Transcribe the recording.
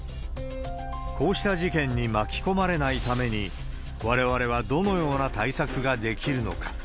こうした事件に巻き込まれないために、われわれはどのような対策ができるのか。